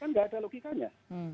kan tidak ada logikanya